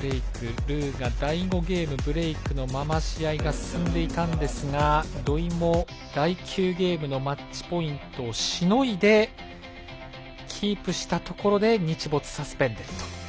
ルーが第５ゲームブレークのまま試合が進んでいたんですが土居も第９ゲームのマッチポイントをしのいでキープしたところ日没サスペンデッド。